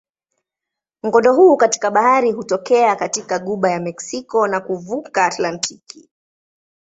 Mkondo huu katika bahari hutokea katika ghuba ya Meksiko na kuvuka Atlantiki.